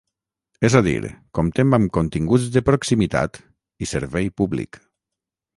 És a dir, comptem amb continguts de proximitat i servei públic.